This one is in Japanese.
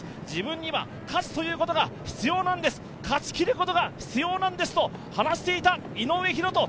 自分には勝つということが必要なんです、勝ちきることが必要なんですと話していた井上大仁。